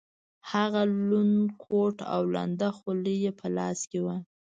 هغه لوند کوټ او لنده خولۍ یې په لاس کې وه.